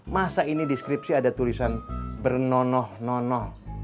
masa ini deskripsi ada tulisan bernonoh nonoh